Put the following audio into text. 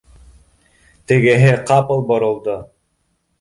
Тегеһе ҡапыл боролдо: